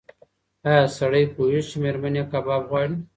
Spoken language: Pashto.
ایا سړی پوهېږي چې مېرمن یې کباب غواړي؟